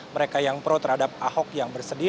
mereka yang pro terhadap ahok yang bersedih